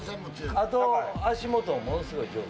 あと足元もものすごい上手。